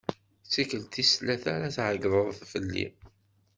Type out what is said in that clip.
D tikelt tis tlata ara d-tɛeggdeḍ fell-i.